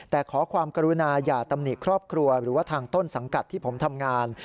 แต่ขอความกรุณาอย่าตำหนิครอบครัวหรือว่าทางต้นสังกัดที่ผมทำงาน